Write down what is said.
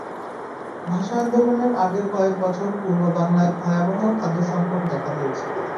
ভাষা আন্দোলনের আগের কয়েক বছর পূর্ব বাংলায় ভয়াবহ খাদ্য-সংকট দেখা দিয়েছিল।